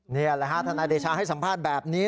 นี่แหละฮะทนายเดชาให้สัมภาษณ์แบบนี้